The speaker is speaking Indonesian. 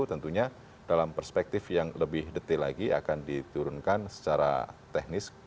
tentunya dalam perspektif yang lebih detail lagi akan diturunkan secara teknis